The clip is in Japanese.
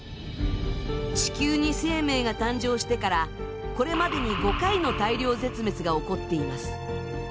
地球に生命が誕生してからこれまでに５回の大量絶滅が起こっています。